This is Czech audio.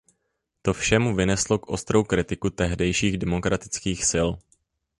To vše mu vyneslo ostrou kritiku tehdejších demokratických sil.